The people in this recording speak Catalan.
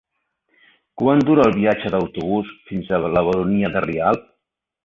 Quant dura el viatge en autobús fins a la Baronia de Rialb?